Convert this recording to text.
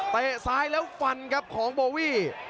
ซ้ายแล้วฟันครับของโบวี่